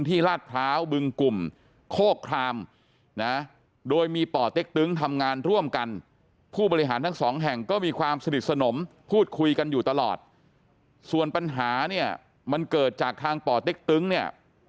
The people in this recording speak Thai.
นะโดยมีป่อเต็กตึ๊งทำงานร่วมกันผู้บริหารทั้ง๒แห่งก็มีความสนิทสนมพูดคุยกันอยู่ตลอดส่วนปัญหาเนี่ยมันเกิดจากทางต้นเนี่ย